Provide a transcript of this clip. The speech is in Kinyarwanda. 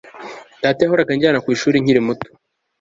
Data yahoraga anjyana ku ishuri nkiri muto